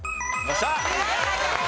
正解です。